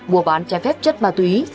mùa bán trái phép chất ma túy